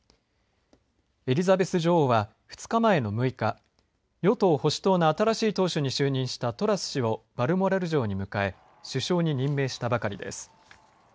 エリザベス女王は、２日前の６日与党・保守党の新しい党首に就任したトラス氏をバルモラル城に迎え首相に任命したばかりです。